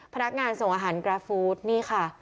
พนักงานส่งอาหารกราฟฟู้ดนี่ค่ะ